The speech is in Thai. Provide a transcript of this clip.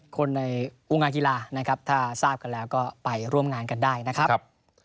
คนในวงงานกีฬานะครับถ้าทราบกันแล้วก็ไปร่วมงานกันได้นะครับ